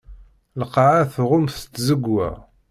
Lqaɛa tɣumm s tẓegwa.